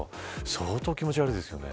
相当気持ち悪いですよね。